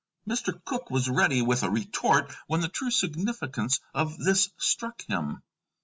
Mr. Cooke was ready with a retort when the true significance of this struck him.